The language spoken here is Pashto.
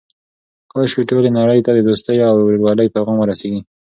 کاشکې ټولې نړۍ ته د دوستۍ او ورورولۍ پیغام ورسیږي.